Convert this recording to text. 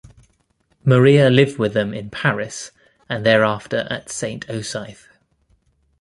Maria lived with them in Paris, and thereafter at Saint Osyth.